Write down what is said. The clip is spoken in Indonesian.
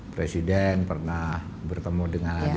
presiden pernah bertemu dengan pak joko chandra